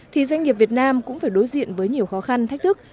thì doanh nghiệp việt nam cũng phải đối diện với nhiều khó khăn thách thức